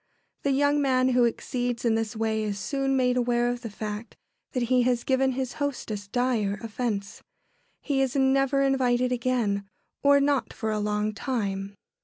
The young man who exceeds in this way is soon made aware of the fact that he has given his hostess dire offence. He is never invited again, or not for a long time.